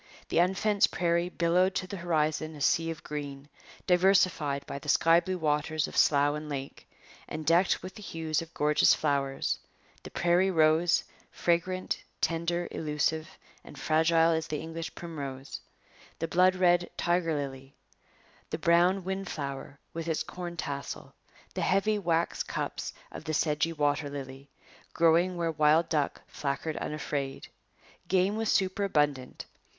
The unfenced prairie billowed to the horizon a sea of green, diversified by the sky blue waters of slough and lake, and decked with the hues of gorgeous flowers the prairie rose, fragrant, tender, elusive, and fragile as the English primrose; the blood red tiger lily; the brown windflower with its corn tassel; the heavy wax cups of the sedgy water lily, growing where wild duck flackered unafraid. Game was superabundant.